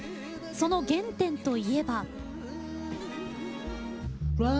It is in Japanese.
その原点といえば。